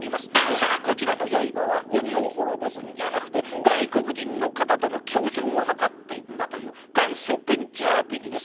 さあこちらの刃は鬼を滅ぼすんじゃなくて外国人の方との共存を図っていったという元祖ベンチャービジネス。